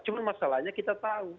cuma masalahnya kita tahu